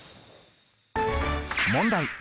問題。